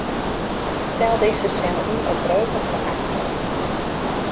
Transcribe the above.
Stel dizze sel yn op breuken fan achtsten.